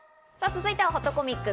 続いては、ほっとコミック。